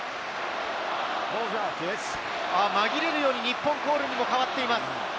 紛れるように日本コールに変わっています。